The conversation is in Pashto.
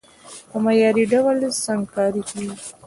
په معياري ډول سنګکاري کېږي،